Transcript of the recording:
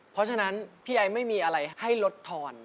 เพราะฉะนั้นพี่ไอไม่มีอะไรให้ลดทอน